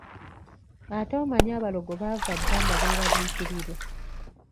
Ate omanyi abalogo baava dda nga beeraliikirirwa.